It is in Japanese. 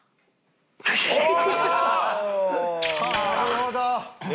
なるほど！